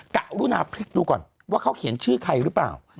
กรุณาพลิกดูก่อนว่าเขาเขียนชื่อใครหรือเปล่า